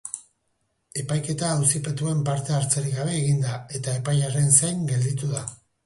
Epaiketa auzipetuen parte-hartzerik gabe egin da, eta epaiaren zain gelditu da.